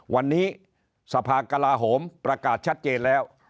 วันนี้สภากลาโหมประกาศชัดเจนแล้ว